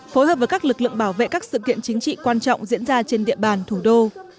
phối hợp với các lực lượng bảo vệ các sự kiện chính trị quan trọng diễn ra trên địa bàn thủ đô